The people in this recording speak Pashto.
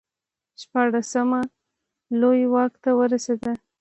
شپاړسم لویي واک ته ورسېد.